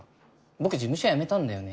僕事務所辞めたんだよね。